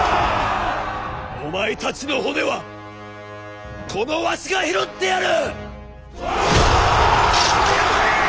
お前たちの骨はこのわしが拾ってやる！